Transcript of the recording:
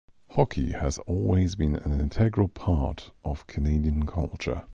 Hockey has always been an integral part of Canadian culture.